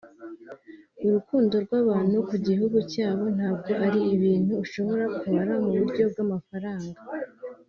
urukundo rw’abantu ku gihugu cyabo ntabwo ari ibintu ushobora kubara mu buryo bw’amafaranga